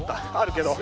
けど